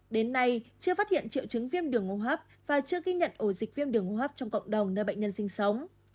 đến nay chưa phát hiện triệu chứng viêm đường hô hấp và chưa ghi nhận ổ dịch viêm đường hô hấp trong cộng đồng nơi bệnh nhân sinh sống